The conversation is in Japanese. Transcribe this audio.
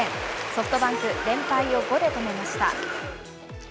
ソフトバンク、連敗を５で止めました。